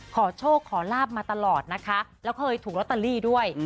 ขอโชคขอลาบมาตลอดนะคะแล้วเคยถูกลอตเตอรี่ด้วย